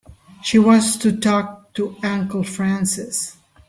She wants to talk to Uncle Francis.